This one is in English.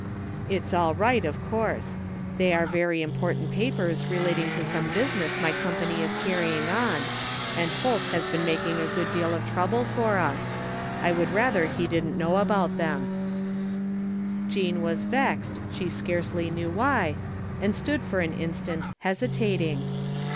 " It's all right, of course. They are very important papers relating to some business my company is carrying on, 109 THE FINDING OF JASPER HOLT and Holt has been making a gcxxi deal of trouble for us. I would rather he didn't know about them/' Jean was vexed, she scarcely knew why, and stood for an instant hesitating.